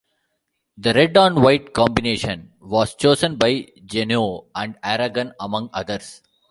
The red-on-white combination was chosen by Genoa and Aragon, among others.